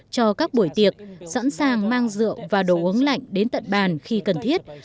cho các buổi tiệc sẵn sàng mang rượu và đồ uống lạnh đến tận bàn khi cần thiết